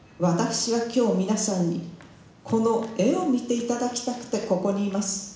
私は今日皆さんにこの絵を見て頂きたくてここにいます。